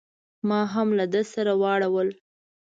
ما هم له ده سره واړول.